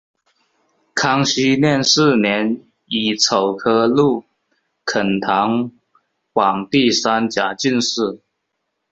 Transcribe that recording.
康熙廿四年乙丑科陆肯堂榜第三甲进士。